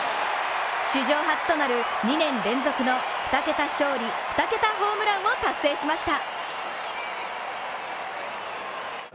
史上初となる２年連続の２桁勝利、２桁ホームランを達成しました。